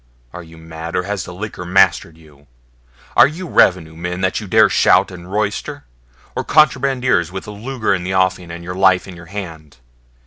Are you mad, or has the liquor mastered you? Are you Revenue men that you dare shout and roister? or contrabandiers with the lugger in the offing, and your life in your hand.